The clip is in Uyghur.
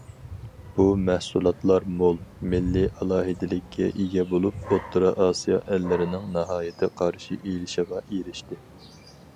بۇ مەھسۇلاتلار مول مىللىي ئالاھىدىلىككە ئىگە بولۇپ، ئوتتۇرا ئاسىيا ئەللىرىنىڭ ناھايىتى قارىشى ئېلىشىغا ئېرىشتى.